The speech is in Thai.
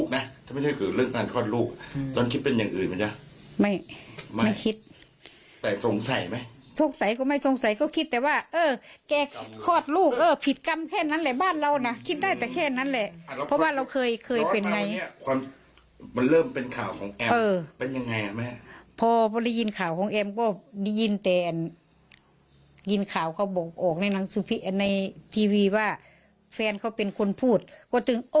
เนื่องจากว่าเธอเพิ่งคลอดลูก